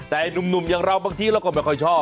แต่หนุ่มอย่างเราบางทีเราก็ไม่ค่อยชอบ